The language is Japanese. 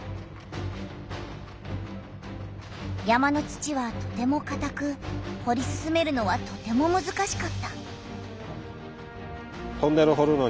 山の土はとてもかたくほり進めるのはとてもむずかしかった。